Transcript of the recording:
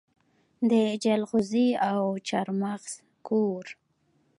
د جلغوزي او چارمغز کور.